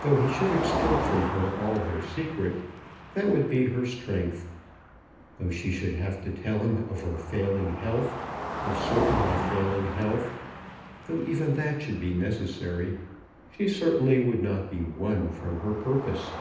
Though he should extort from her all her secret, that would be her strength. Though she should have to tell him of her failing health, her certainly failing health, though even that should be necessary, she certainly would not be won from her purpose.